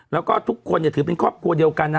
แล้วก็ทุกคนถือเป็นครอบครัวเดียวกันนะ